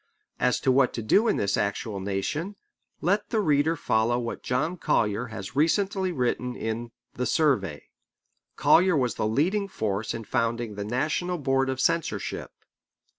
As to what to do in this actual nation, let the reader follow what John Collier has recently written in The Survey. Collier was the leading force in founding the National Board of Censorship.